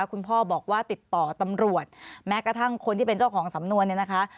คุณพ่อบอกว่าติดต่อตำรวจแม้กระทั่งคนที่เป็นเจ้าของสำนวนเนี่ยนะคะ